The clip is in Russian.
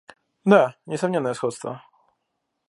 Да, несомненное сходство.